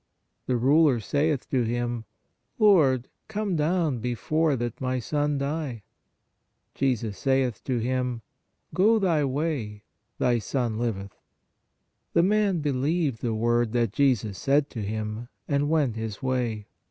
The ruler saith to Him: Lord, come down before that my son die. Jesus saith to him: Go thy way, thy son liveth. The man believed the word that Jesus said to him, THE RULER S SON 85 and went his way.